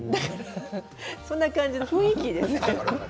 そんな感じの雰囲気です。